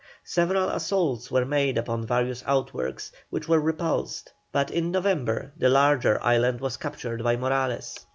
Several assaults were made upon various outworks, which were repulsed, but in November the larger island was captured by Morales.